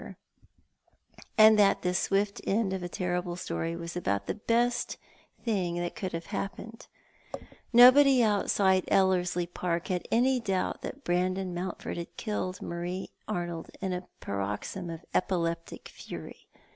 *■' Forgetting All T/izjigs!' 167 and that this swift end of a terrible story was about the best thing that could have happened. Nobody outside Ellerslie Park had any doubt that Brandon IMountford had killed Marie Arnold, in a paroxysm of epileptic fury.